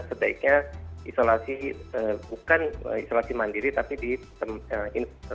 sebaiknya isolasi bukan isolasi mandiri tapi di tempat